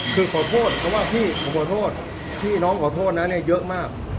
คือขอโทษเขาว่าพี่ผมขอโทษพี่น้องขอโทษนะเนี่ยเยอะมาก